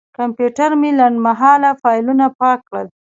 کمپیوټر مې لنډمهاله فایلونه پاک کړل.